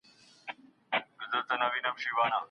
ځیني کورنۍ پیغورونه نه زغمي.